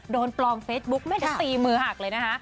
โดนปลอมเฟซบุ๊กไม่ได้ตีมือหักเลยนะคะ